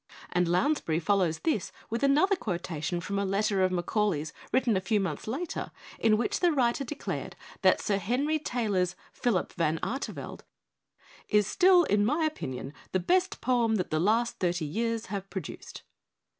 And Lounsbury follows this with another quotation from a letter of Macau 206 ON WORKING TOO MUCH AND WORKING TOO FAST lay's written a few months later, in which the writer declared that Sir Henry Taylor's 'Philip Van Artevelde' "is still, hi my opinion, the best poem that the last thirty years have produced."